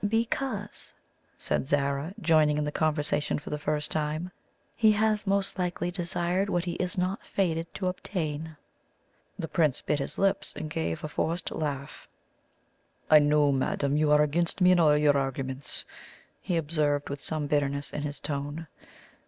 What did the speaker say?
"Because," said Zara, joining in the conversation for the first time, "he has most likely desired what he is not fated to obtain." The Prince bit his lips, and gave a forced laugh. "I know, madame, you are against me in all our arguments," he observed, with some bitterness in his tone.